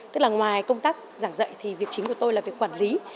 tức là ngoài công tác giảng dạy thì việc chính của tôi là việc quản lý